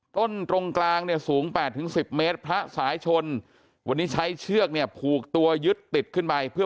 ตรงกลางเนี่ยสูง๘๑๐เมตรพระสายชนวันนี้ใช้เชือกเนี่ยผูกตัวยึดติดขึ้นไปเพื่อ